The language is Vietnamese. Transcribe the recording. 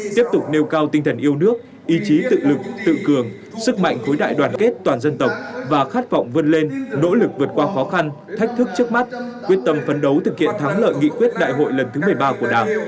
tiếp tục nêu cao tinh thần yêu nước ý chí tự lực tự cường sức mạnh khối đại đoàn kết toàn dân tộc và khát vọng vươn lên nỗ lực vượt qua khó khăn thách thức trước mắt quyết tâm phấn đấu thực hiện thắng lợi nghị quyết đại hội lần thứ một mươi ba của đảng